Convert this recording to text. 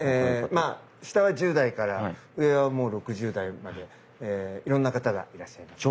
まあ下は１０代から上はもう６０代までいろんな方がいらっしゃいます。